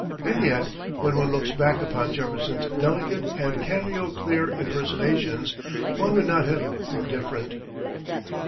And yet, when one looks back upon Jefferson's delicate and cameo clear impersonations, one would not have him different.